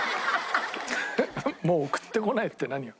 「もう送ってこない」って何よ？